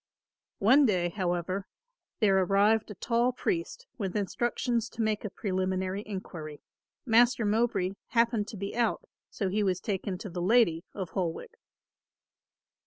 One day, however, there arrived a tall priest with instructions to make a preliminary enquiry. Master Mowbray happened to be out, so he was taken to the lady of Holwick.